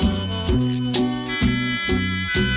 อินโทรเพลงที่๗มูลค่า๒๐๐๐๐๐บาทครับ